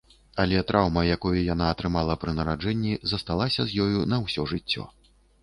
Але траўма, якую яна атрымала пры нараджэнні, засталася з ёю на ўсё жыццё.